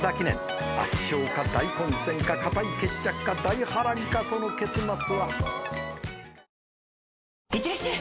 圧勝か大混戦か堅い決着か大波乱かその結末は？いってらっしゃい！